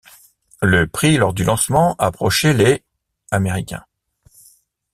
Le prix lors du lancement approchait les américain.